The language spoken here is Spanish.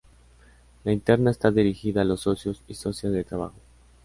La interna está dirigida a los socios y socias de trabajo.